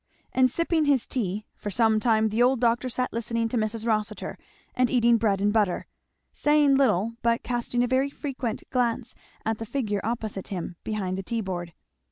And sipping his tea, for some time the old doctor sat listening to Mrs. Rossitur and eating bread and butter; saying little, but casting a very frequent glance at the figure opposite him behind the tea board.